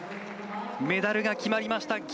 メダルが決まりました。